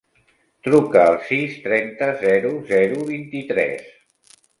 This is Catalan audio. Truca al sis, trenta, zero, zero, vint-i-tres.